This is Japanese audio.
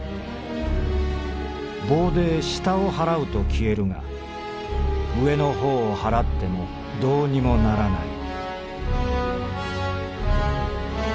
棒で下を払うと消えるが上の方を払ってもどうにもならない」。